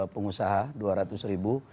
pengusaha dua ratus ribu